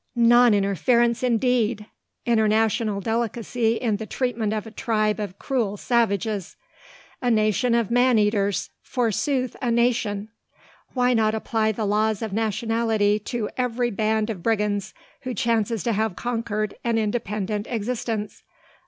Non interference, indeed! International delicacy in the treatment of a tribe of cruel savages! A nation of man eaters, forsooth, a nation! Why not apply the laws of nationality to every band of brigands who chances to have conquered an independent existence?